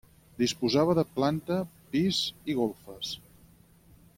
Disposava de planta, pis i golfes.